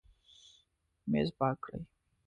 میز پاک کړئ